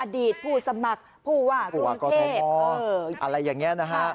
ผู้สมัครผู้ว่ากรุงเทพอะไรอย่างนี้นะฮะ